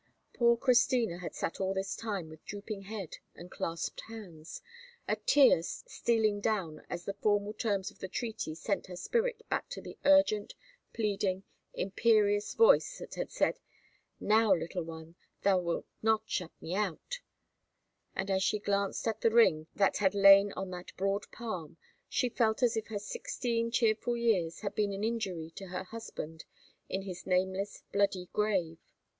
Poor Christina had sat all this time with drooping head and clasped hands, a tear stealing down as the formal terms of the treaty sent her spirit back to the urgent, pleading, imperious voice that had said, "Now, little one, thou wilt not shut me out;" and as she glanced at the ring that had lain on that broad palm, she felt as if her sixteen cheerful years had been an injury to her husband in his nameless bloody grave.